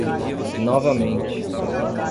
Novamente.